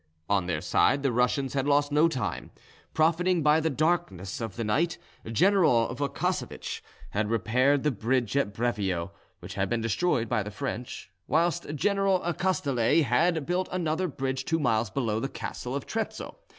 On their side the Russians had lost no time, profiting by the darkness of the night. General Wukassowich had repaired the bridge at Brevio, which had been destroyed by the French, whilst General Chasteler had built another bridge two miles below the castle of Trezzo.